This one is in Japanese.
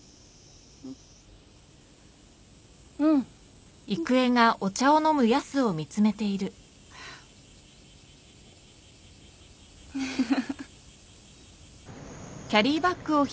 うん。フフフ。